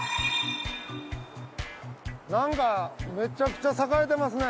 なんかめちゃくちゃ栄えてますね。